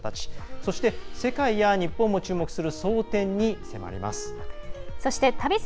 そして、世界や日本が注目する争点に迫ります。